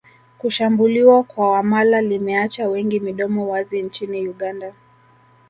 Kushambuliwa kwa Wamala limeacha wengi midomo wazi nchini Uganda